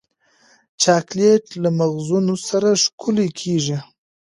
چاکلېټ له مغزونو سره ښکلی کېږي.